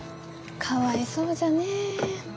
かわいそうじゃねえ。